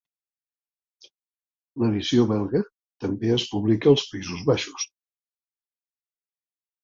L'edició belga també es publica als Països Baixos.